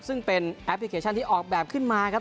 ซึ่งเป็นแอปพลิเคชันที่ออกแบบขึ้นมาครับ